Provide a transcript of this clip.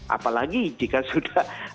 apalagi jika sudah